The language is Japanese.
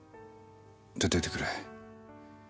出ていてくれ。